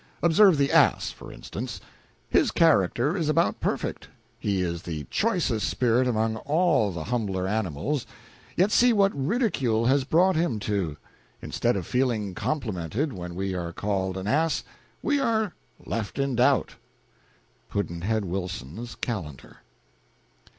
Observe the ass, for instance: his character is about perfect, he is the choicest spirit among all the humbler animals, yet see what ridicule has brought him to. Instead of feeling complimented when we are called an ass, we are left in doubt. Pudd'nhead Wilson's Calendar.